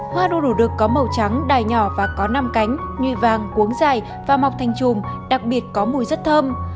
hoa đủ đực có màu trắng đài nhỏ và có năm cánh như vàng cuống dài và mọc thành chùm đặc biệt có mùi rất thơm